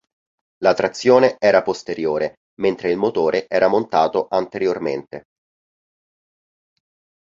La trazione era posteriore, mentre il motore era montato anteriormente.